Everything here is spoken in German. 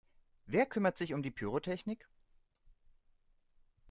Wer kümmert sich um die Pyrotechnik?